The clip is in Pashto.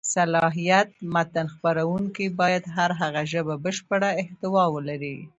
صلاحیت: متن څېړونکی باید پر هغه ژبه بشېړه احتوا ولري.